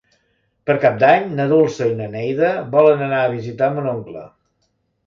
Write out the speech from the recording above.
Per Cap d'Any na Dolça i na Neida volen anar a visitar mon oncle.